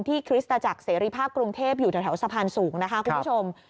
คริสตจักรเสรีภาพกรุงเทพอยู่แถวสะพานสูงนะคะคุณผู้ชม